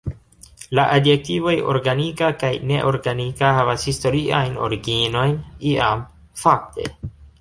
La adjektivoj "organika" kaj "neorganika" havas historiajn originojn; iam, fakte.